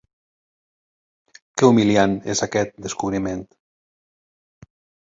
Què humiliant és aquest descobriment!